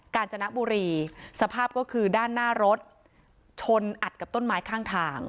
การจนบุรีสภาพก็คือด้านหน้ารถชนอัดกับต้นไม้ข้างทาง